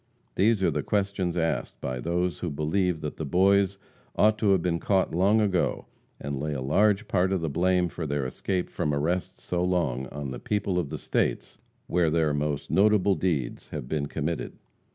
These are the questions asked by those who believe that the Boys ought to have been caught long ago, and lay a large part of the blame for their escape from arrest so long on the people of the states where their most notable deeds have been committed.